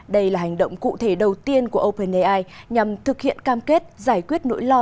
đây là hành động cụ thể đầu tiên của openai nhằm thực hiện cam kết giải quyết nỗi lo